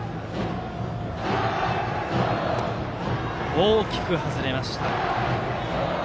大きく外れました。